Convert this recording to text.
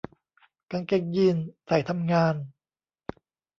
กางเกงยีนส์ใส่ทำงาน